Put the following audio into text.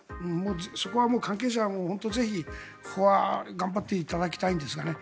そこは関係者も、ぜひここは頑張っていただきたいんですがね。